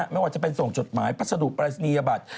ไม่ว่าจะเป็นส่งจดหมายพัสดุปรายศนียบัตร